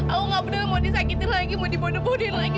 aku nggak benar mau disakitin lagi mau dibodoh bodohin lagi